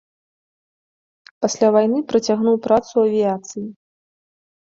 Пасля вайны працягнуў працу ў авіяцыі.